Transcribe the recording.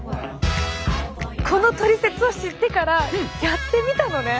このトリセツを知ってからやってみたのね。